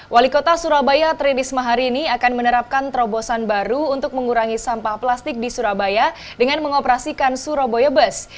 wali kota surabaya tririsma hari ini akan menerapkan terobosan baru untuk mengurangi sampah plastik di surabaya dengan mengoperasikan surabaya bus